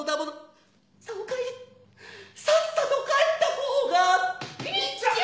さぁお帰りさっさと帰ったほうが・みっちゃん！